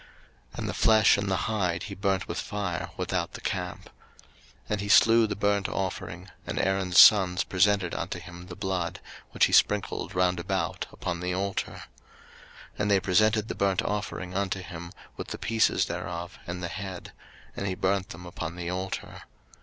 03:009:011 And the flesh and the hide he burnt with fire without the camp. 03:009:012 And he slew the burnt offering; and Aaron's sons presented unto him the blood, which he sprinkled round about upon the altar. 03:009:013 And they presented the burnt offering unto him, with the pieces thereof, and the head: and he burnt them upon the altar.